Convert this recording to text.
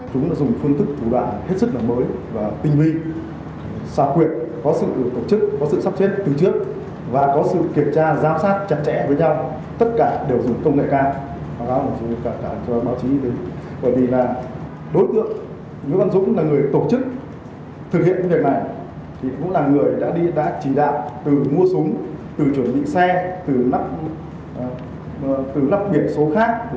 chúng đã dùng phương tức thủ đoạn hết sức là mới và tinh huy sạc quyệt có sự tổ chức có sự sắp chết từ trước và có sự kiểm tra giám sát chặt chẽ với nhau tất cả đều dùng công nghệ cao